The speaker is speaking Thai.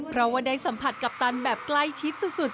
เพราะว่าได้สัมผัสกัปตันแบบใกล้ชิดสุด